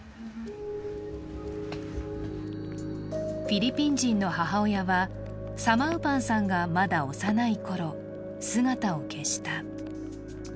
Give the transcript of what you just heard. フィリピン人の母親はサマウパンさんがまだ幼いころ、姿を消した。